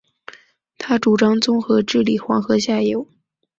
他主张综合治理黄河下游。